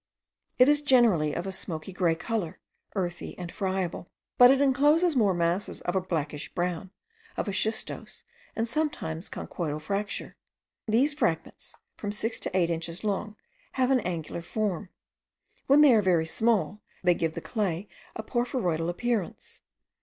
It is generally of a smoke grey colour, earthy, and friable; but it encloses more solid masses of a blackish brown, of a schistose, and sometimes conchoidal fracture. These fragments, from six to eight inches long, have an angular form. When they are very small, they give the clay a porphyroidal appearance.